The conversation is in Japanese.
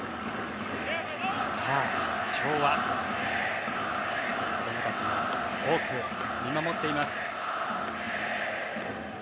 今日は子供たちも多く見守っています。